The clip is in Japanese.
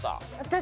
私